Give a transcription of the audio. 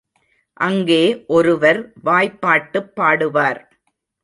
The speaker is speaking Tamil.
அங்கே ஒருவர் வாய்ப்பாட்டுப் பாடுவார்.